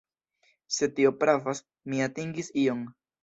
Se tio pravas, mi atingis ion.